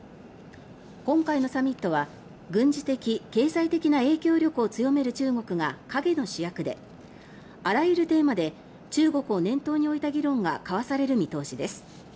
今回のサミットは軍事的・経済的な影響力を強める中国が陰の主役であらゆるテーマで中国を念頭に置いた議論が交わされる見通しです。